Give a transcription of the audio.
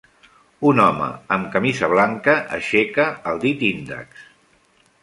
Un home amb camisa blanca aixeca el dit índex